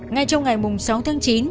ngay trong ngày sáu tháng chín